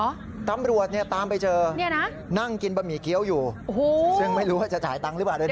ตำรวจเนี่ยตามไปเจอเนี่ยนะนั่งกินบะหมี่เกี้ยวอยู่โอ้โหซึ่งไม่รู้ว่าจะจ่ายตังค์หรือเปล่าเลยนะ